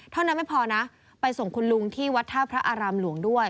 เท่านั้นไม่พอนะไปส่งคุณลุงที่วัดท่าพระอารามหลวงด้วย